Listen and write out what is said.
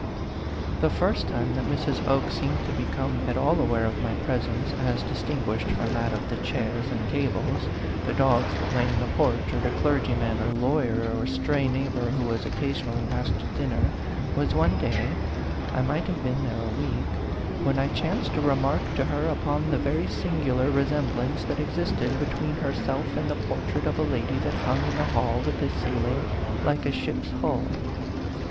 The first time that Mrs. Oke seemed to be come at all aware of my presence as distin guished from that of the chairs and tables, the dogs that lay in the porch, or the clergy man or lawyer or stray neighbor who was occasionally asked to dinner, was one day I might have been there a week when I chanced to remark to her upon the very sin gular resemblance that existed between her self and the portrait of a lady that hung in the hall with the ceiling like a ship's hull.